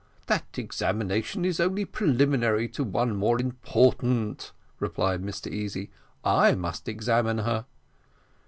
"That examination is only preliminary to one more important," replied Mr Easy. "I must examine her."